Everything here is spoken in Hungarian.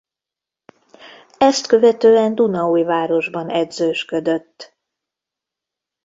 Ezt követően Dunaújvárosban edzősködött.